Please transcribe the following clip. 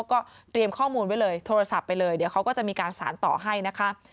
ก็เตรียมข้อมูลไว้เลยโทรศัพท์ไปเลยเดี๋ยวเขาก็จะมีการสารต่อให้นะคะ